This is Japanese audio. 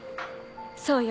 そうよ